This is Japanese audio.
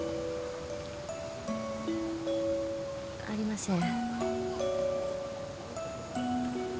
ありません。